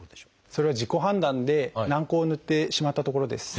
それは自己判断で軟こうを塗ってしまったところです。